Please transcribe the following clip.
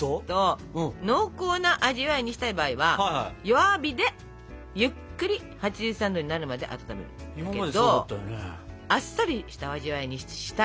濃厚な味わいにしたい場合は弱火でゆっくり８３℃になるまで温めるんだけどあっさりした味わいにしたいので。